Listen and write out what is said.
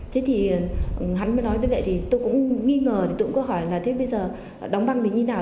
thế thì hắn mới nói như vậy thì tôi cũng nghi ngờ tôi cũng có hỏi là thế bây giờ đóng băng thì như thế nào